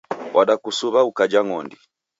Wadakusuw'a ukajha ng'ondi.